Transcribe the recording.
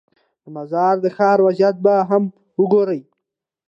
د مزار د ښار وضعیت به هم وګورې.